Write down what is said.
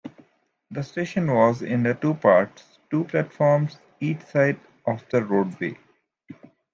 This station was in two parts: two platforms each side of the roadway.